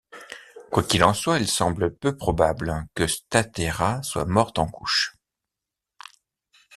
Quoi qu'il en soit, il semble peu probable que Stateira soit morte en couches.